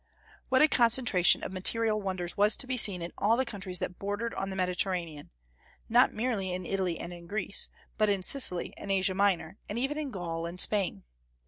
What a concentration of material wonders was to be seen in all the countries that bordered on the Mediterranean, not merely in Italy and Greece, but in Sicily and Asia Minor, and even in Gaul and Spain!